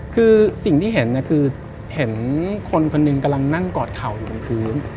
คือสิ่งที่เห็นคือเห็นคนคนหนึ่งกำลังนั่งกอดเข่าอยู่บนพื้น